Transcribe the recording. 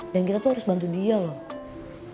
dan kita tuh harus bantu dia loh